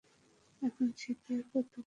এখন শীতের প্রাতঃকাল।